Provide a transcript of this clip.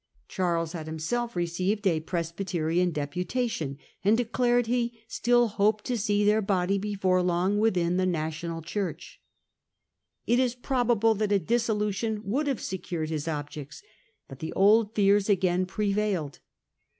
Charles had himself received a Presbyterian deputation, and declared he still hoped to see their body before long within the national Church. It is probable that a dissolution would have secured his objects. But the old fears again prevailed.